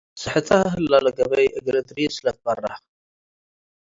ስሕተ ሀለ ለገበይ እግል እድሪስ ለትበረ